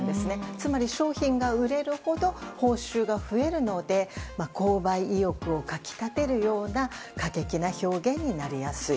つまり、商品が売れるほど報酬が増えるので購買意欲をかき立てるような過激な表現になりやすい。